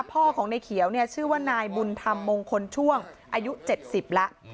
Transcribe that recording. พ่อของในเขียวชื่อว่านายบุณฑรมล์โมงขลช่วงอายุเจ็ดสิบละ